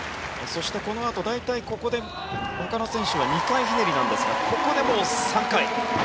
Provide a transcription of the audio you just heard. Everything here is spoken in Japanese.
そして、このあと大体、ここでほかの選手は２回ひねりですがここでもう３回。